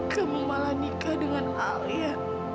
kamu malah nikah dengan alia